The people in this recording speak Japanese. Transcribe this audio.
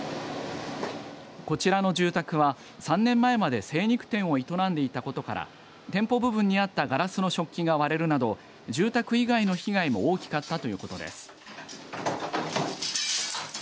こちらの住宅は、３年前まで精肉店を営んでいたことから店舗部分にあったガラスの食器が割れるなど住宅以外の被害も大きかったということです。